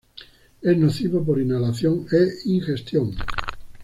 Es nocivo por inhalación e ingestión.